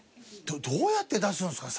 どうやって出すんですか？